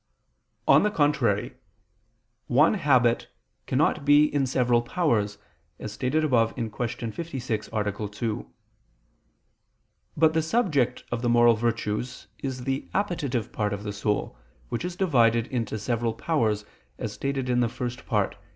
On the contrary, One habit cannot be in several powers, as stated above (Q. 56, A. 2). But the subject of the moral virtues is the appetitive part of the soul, which is divided into several powers, as stated in the First Part (Q.